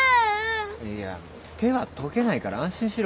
いや手は溶けないから安心しろ。